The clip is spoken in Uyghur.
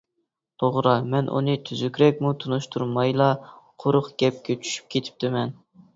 توغرا، مەن ئۇنى تۈزۈكرەكمۇ تونۇشتۇرمايلا قۇرۇق گەپكە چۈشۈپ كېتىپتىمەن.